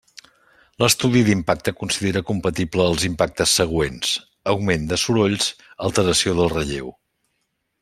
L'estudi d'impacte considera compatible els impactes següents: augment de sorolls, alteració del relleu.